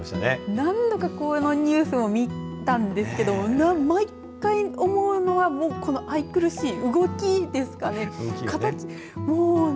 何度かこのニュースを見たんですけど毎回思うのはこの愛くるしい動きですかね。